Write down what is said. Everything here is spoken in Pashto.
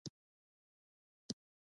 هیواد د ټولو ګډ کور دی